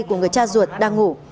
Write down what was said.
của người cha ruột đang ngủ